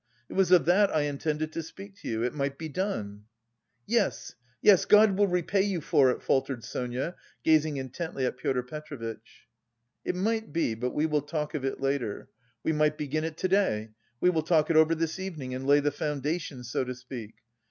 It was of that I intended to speak to you; it might be done." "Yes, yes... God will repay you for it," faltered Sonia, gazing intently at Pyotr Petrovitch. "It might be, but we will talk of it later. We might begin it to day, we will talk it over this evening and lay the foundation so to speak.